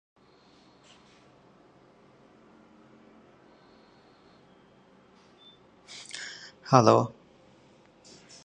މި ރާއްޖޭގައި ދީނީ ވަޙުދަތު ނަގައިލުމަށް ބަހުސްކޮށް ވާހަކަދެއްކުމަކީ އެއްވެސް ނަޒަރަކުން ބަލާއިރު ހުއްދަކުރެވޭނެ ކަމެއް ނޫން